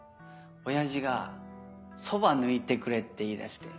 親父が「そば抜いてくれ」って言いだして。